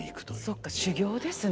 そっか修業ですね。